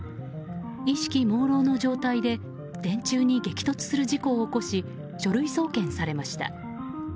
意識朦朧の状態で電柱に激突する事故を起こし書類送検されました。